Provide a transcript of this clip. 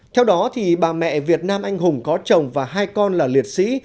theo đó bà mẹ việt nam anh hùng có chồng và hai con là liệt sĩ